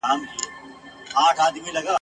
وبا د لوږي نیولې سیمه!.